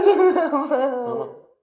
aku enggak mau